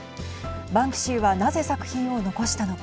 バンクシーはなぜ作品を残したのか。